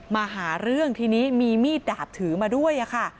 มาหาเรื่องทีนี้มีมีดดาบถือมาด้วยค่ะ